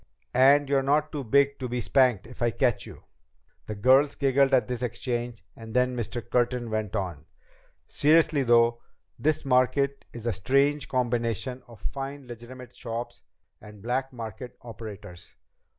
"And you're not too big to be spanked if I catch you." The girls giggled at this exchange, and then Mr. Curtin went on: "Seriously though, this market is a strange combination of fine legitimate shops and black market operators.